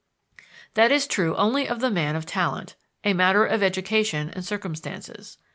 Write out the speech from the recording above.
That is true only of the man of talent, a matter of education and circumstances.